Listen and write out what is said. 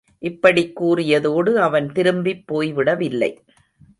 இப்படிக் கூறியதோடு அவன் திரும்பிப் போய்விடவில்லை.